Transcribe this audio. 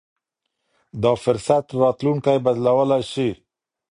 دا فرصت راتلونکی بدلولای شي.